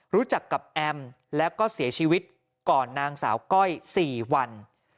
รู้จักกับแอมแล้วก็เสียชีวิตก่อนนางสาวก้อย๔วัน